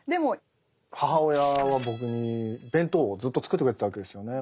母親は僕に弁当をずっと作ってくれてたわけですよね。